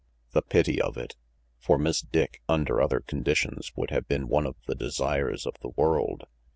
The pity of it! For Miss Dick, under other con ditions, could have been one of the desires of the world.